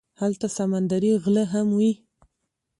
هلته سمندري غله هم وي.